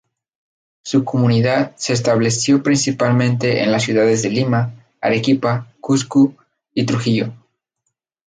Su comunidad se estableció principalmente en las ciudades de Lima, Arequipa, Cuzco y Trujillo.